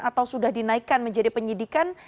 atau sudah dinaikkan menjadi penyidikan